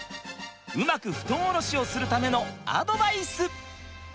うまく布団降ろしをするためのアドバイス！